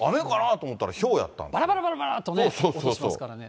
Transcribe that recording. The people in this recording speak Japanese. だから、ばらばらばらとね、落ちてますからね。